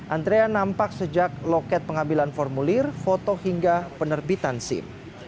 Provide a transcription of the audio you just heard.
antrean nampak sejak loket pengambilan formulir foto hingga penerbitan sim